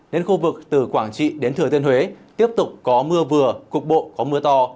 nên khu vực từ quảng trị đến thừa thiên huế tiếp tục có mưa vừa cục bộ có mưa to